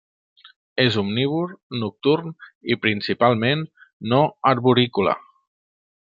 És omnívor, nocturn i principalment no arborícola.